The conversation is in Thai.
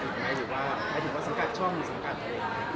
หรือว่าถ้าถึงว่าสังการช่องหรือสังการไทย